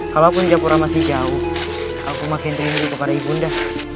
kalaupun japura masih jauh aku makin rindu kepada ibu nda